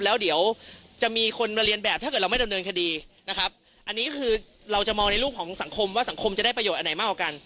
แล้วเดี๋ยวจะมีคนมาเรียนแบบถ้าเกิดเราไม่ดำเนินคดีนะครับอันนี้คือเราจะมองในรูปของสังคมว่าสังคมจะได้ประโยชนอันไหนมากกว่ากัน